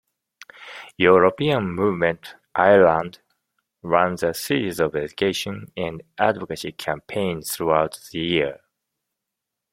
European Movement Ireland runs a series of education and advocacy campaigns throughout the year.